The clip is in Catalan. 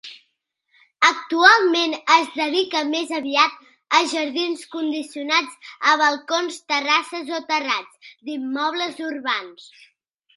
Actualment, es dedica més aviat a jardins condicionats a balcons, terrasses o terrats d'immobles urbans.